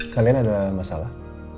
kalian ada masalah